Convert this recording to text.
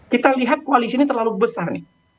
kita lihat koalisi ini terlalu besar nih